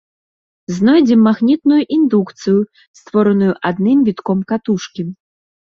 Знойдзем магнітную індукцыю, створаную адным вітком катушкі.